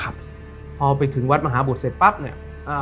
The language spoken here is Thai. พอไปถึงวัดมหาบุตรเสร็จปั๊บเนี่ยอ่า